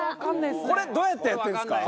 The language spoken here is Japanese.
これどうやってやってるんですか？